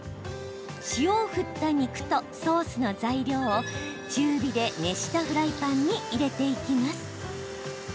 塩を振った肉とソースの材料を中火で熱したフライパンに入れていきます。